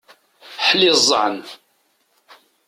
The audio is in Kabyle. Ḥliẓẓan!